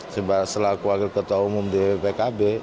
selaku wakil ketua umum di pkb